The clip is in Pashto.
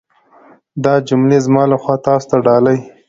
دا جملې زما لخوا تاسو ته ډالۍ.